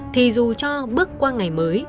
thì dù cho bước qua ngày mới